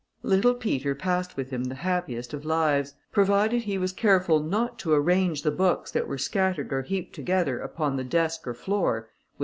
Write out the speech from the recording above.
Little Peter passed with him the happiest of lives. Provided he was careful not to arrange the books that were scattered or heaped together upon the desk or floor, which M.